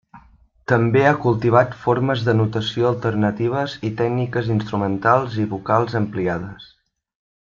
També ha cultivat formes de notació alternatives i tècniques instrumentals i vocals ampliades.